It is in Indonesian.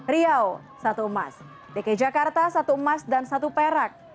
riau satu emas dki jakarta satu emas dan satu perak